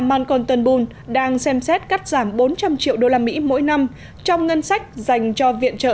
manconten bull đang xem xét cắt giảm bốn trăm linh triệu đô la mỹ mỗi năm trong ngân sách dành cho viện trợ